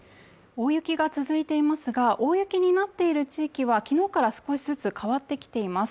大雪が続いていますが大雪になっている地域は昨日から少しずつ変わってきています